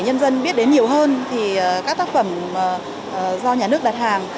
nhân dân biết đến nhiều hơn thì các tác phẩm do nhà nước đặt hàng